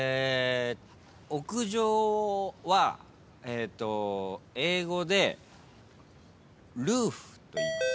屋上は英語で「ルーフ」といいます。